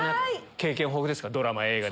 経験豊富ですからねドラマ映画。